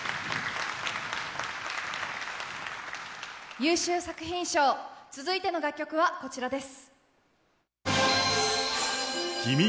優秀作品賞、続いての楽曲はこちらです。